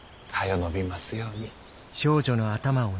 伸びますように。